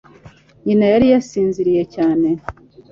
Nyina yari yasinziriye cyane